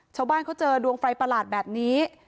ชาวบ้านเขาเจอดวงไฟประหลาดแบบนี้